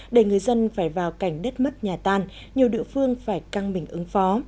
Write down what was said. để người dân phải vào cảnh đất mất nhà tan nhiều địa phương phải căng mình ứng phó